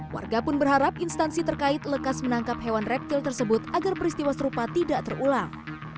warga pun berharap instansi terkait lekas menangkap hewan reptil tersebut agar peristiwa serupa tidak terulang